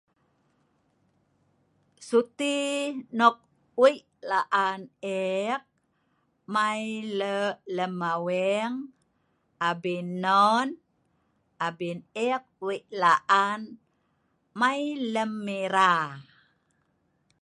Suti nok wik laan ek, mei lok lem aweng abin non, abin ek wik laan mei lem ha'era